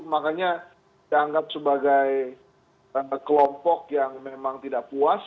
makanya dianggap sebagai kelompok yang memang tidak puas